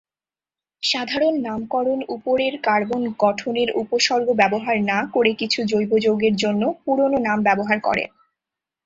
সাধারণ নামকরণ উপরের কার্বন গঠনের উপসর্গ ব্যবহার না করে কিছু জৈব যৌগের জন্য পুরানো নাম ব্যবহার করে।